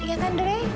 iya kan drei